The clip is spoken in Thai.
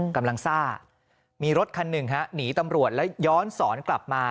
กำลังซ่ามีรถคันหนึ่งฮะหนีตำรวจแล้วย้อนสอนกลับมา